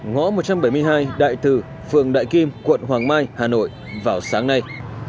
ngõ một trăm bảy mươi hai đại tử phường đại kim quận hoàng mai hà nội vào sáng nay